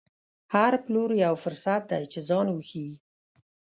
هر پلور یو فرصت دی چې ځان وښيي.